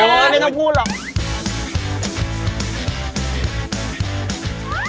ไม่ต้องพูดหรอก